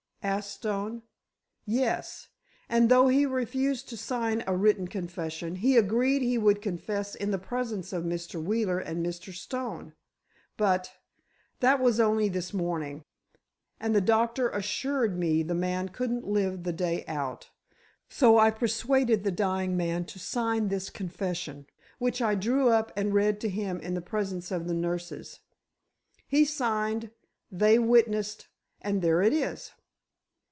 asked Stone. "Yes; and though he refused to sign a written confession, he agreed he would confess in the presence of Mr. Wheeler and Mr. Stone. But—that was only this morning—and the doctor assured me the man couldn't live the day out. So I persuaded the dying man to sign this confession, which I drew up and read to him in the presence of the nurses. He signed—they witnessed—and there it is."